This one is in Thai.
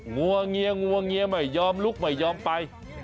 งวงเงียไม่ยอมลุกไม่ยอมไป